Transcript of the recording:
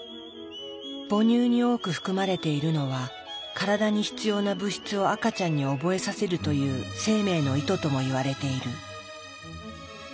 母乳に多く含まれているのは体に必要な物質を赤ちゃんに覚えさせるという生命の意図ともいわれている。